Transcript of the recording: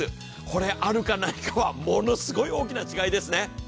これ、あるかないかは、ものすごい大きな違いですね。